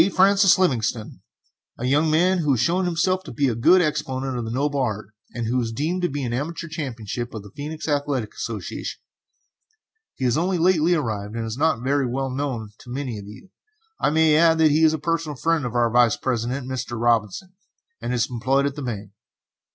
Francis Livingstone, a young man who has shown himself to be a good exponent of the noble art, and who is deemed to be the amateur champion of the Phœnix Athletic Association. As he has only lately arrived, and is not very well known to many of you, I may add that he is a personal friend of our Vice president, Mr. Robinson, and is employed at his bank.